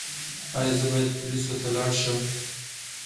ایا زه باید پولیسو ته لاړ شم؟